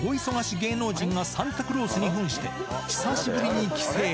芸能人がサンタクロースにふんして、久しぶりに帰省。